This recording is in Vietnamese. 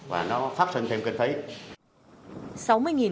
và nó phát sinh thêm kinh phí